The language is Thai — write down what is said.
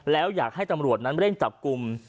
แล้วอยากให้ตำรวจนั้นเร่งจับกลุ่ม